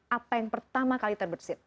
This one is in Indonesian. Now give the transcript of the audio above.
apa yang pertama kali terbersih